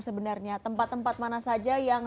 sebenarnya tempat tempat mana saja yang